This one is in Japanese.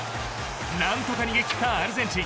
何とか逃げ切ったアルゼンチン。